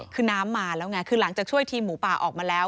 คือน้ำมาแล้วไงคือหลังจากช่วยทีมหมูป่าออกมาแล้ว